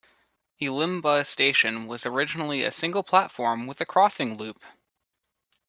Elimbah station was originally a single platform with a crossing loop.